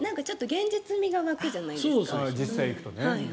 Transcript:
現実味が湧くじゃないですか。